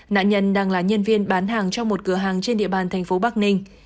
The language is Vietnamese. nạn nhân đang là nhân viên bán hàng trong một cửa hàng trên địa bàn thành phố bắc ninh